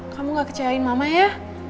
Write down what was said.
kamu gak kecewain mama ya